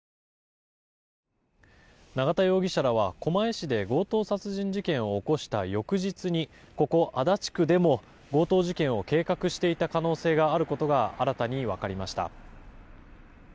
永田容疑者らは狛江市で強盗殺人事件を起こした翌日にここ足立区でも強盗事件を計画していた可能性があることが新たに分かりました。